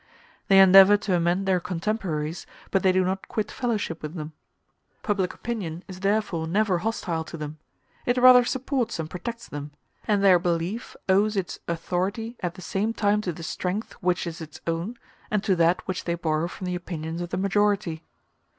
They endeavor to amend their contemporaries, but they do not quit fellowship with them. Public opinion is therefore never hostile to them; it rather supports and protects them; and their belief owes its authority at the same time to the strength which is its own, and to that which they borrow from the opinions of the majority.